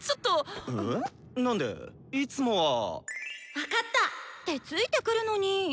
分かった！ってついてくるのに。